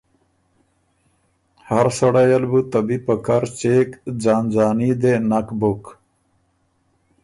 هر سړئ ل بُو ته بی په کر څېک، ځان ځاني دې نک بُک۔